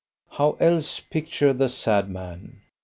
How else picture the sad man?